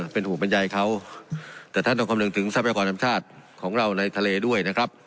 เป็นห่วงบรรยายเขาแต่ท่านต้องคำนึงถึงทรัพยากรธรรมชาติของเราในทะเลด้วยนะครับ